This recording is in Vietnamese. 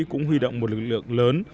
cũng huy động một lực lượng lớn